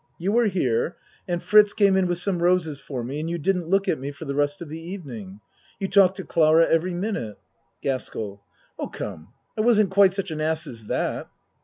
You were here and Fritz came in with some roses for me and you didn't look at me for the rest of the evening. You talked to Clara every minute. GASKELL Oh, come, I wasn't quite such an ass as that.